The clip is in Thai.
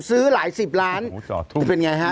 ซื้อหลายสิบล้านจ่อทุ่มจะเป็นไงฮะ